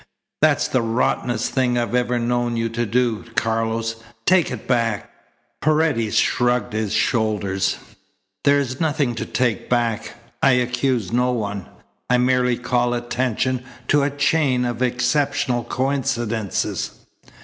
"That's the rottenest thing I've ever known you to do, Carlos. Take it back." Paredes shrugged his shoulders. "There is nothing to take back. I accuse no one. I merely call attention to a chain of exceptional coincidences."